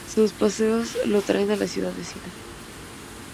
Sus paseos lo atraen a la ciudad vecina.